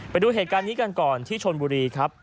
ไปดูเหตุการณ์นี้กันก่อนที่ชนบุรีครับ